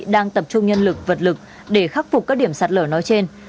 đang tập trung nhân lực vật lực để khắc phục các điểm khó khăn